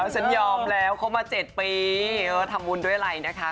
ฉันยอมแล้วเขามา๗ปีทำบุญด้วยอะไรนะคะ